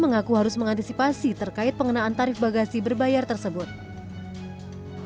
mereka terpaksa mengurangi jumlah barang bawaan untuk menghindari biaya tambahan untuk bagasi yang dibawa